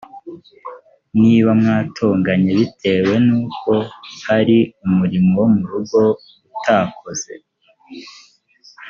niba mwatonganye bitewe n uko hari umurimo wo mu rugo utakoze